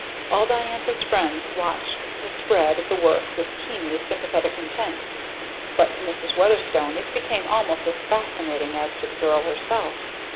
All Diantha's friends watched the spread of the work with keenly sympathetic intent; but to Mrs. Weatherstone it became almost as fascinating as to the girl herself.